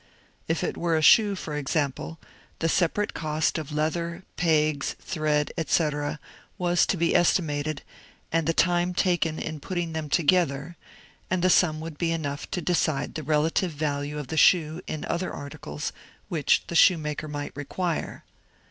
If it were a shoe, for ex ample, the separate cost of leather, pegs, thread, etc., was to be estimated, and the time taken in putting them together, and the sum would be enough to decide the relative value of the shoe in other articles which the shoemaker might require.